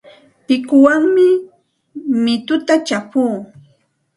Pikuwanmi mituta chapuu.